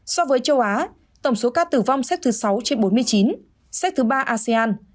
số ca tử vong xếp thứ sáu trên bốn mươi chín xếp thứ ba asean